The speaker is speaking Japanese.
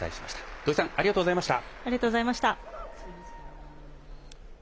土居さんありがとうございました。